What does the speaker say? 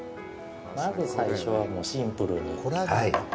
まず最初はシンプルに。